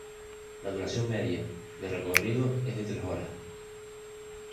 La duración media del recorrido es de tres horas.